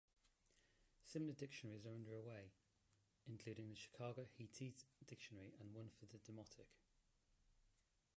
Similar dictionaries are under way, including the "Chicago Hittite Dictionary" and one for Demotic.